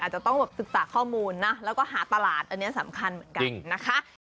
จะต้องศึกษาข้อมูลนะแล้วก็หาตลาดอันนี้สำคัญเหมือนกันนะคะ